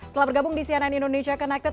telah bergabung di cnn indonesia connected